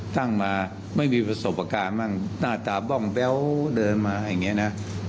ตั้งมาไม่มีประสบการณ์บ้างหน้าตาบ้องแบ๊วเดินมาอย่างนี้นะ